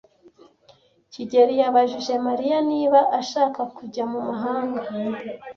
kigeli yabajije Mariya niba ashaka kujya mu mahanga.